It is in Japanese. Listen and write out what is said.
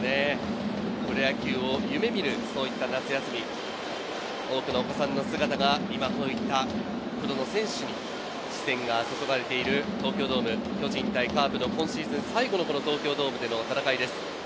プロ野球を夢見る、そういった活躍、多くのお子さんの姿が今プロの選手に視線が注がれている東京ドーム、巨人対カープの今シーズン最後の東京ドームでの戦いです。